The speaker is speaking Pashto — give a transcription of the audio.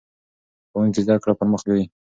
ښوونکی زده کړه پر مخ بیايي.